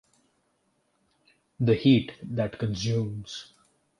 the heat that consumes!